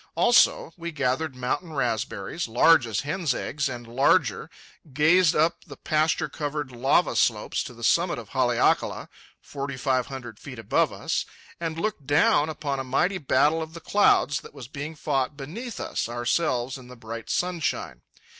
Also, we gathered mountain raspberries, large as hen's eggs and larger, gazed up the pasture covered lava slopes to the summit of Haleakala, forty five hundred feet above us, and looked down upon a mighty battle of the clouds that was being fought beneath us, ourselves in the bright sunshine.